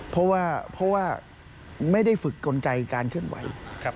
เพราะว่าไม่ได้ฝึกกลไกการเคลื่อนไหว